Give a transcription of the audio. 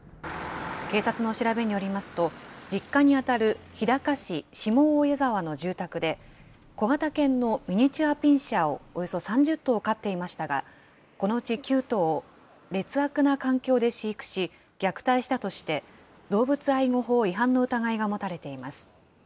警察の調べによりますと、実家に当たる日高市下大谷沢の住宅で、小型犬のミニチュア・ピンシャーをおよそ３０頭飼っていましたが、このうち９頭を、劣悪な環境で飼育し、虐待したとして、動物愛護法違反の疑いが持たれています。